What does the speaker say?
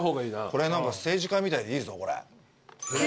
これ何か政治家みたいでいいぞこれ。